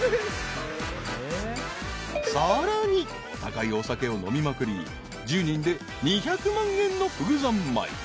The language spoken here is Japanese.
［さらにお高いお酒を飲みまくり１０人で２００万円のふぐ三昧］